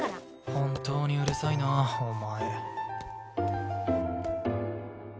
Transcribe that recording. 本当にうるさいなお前。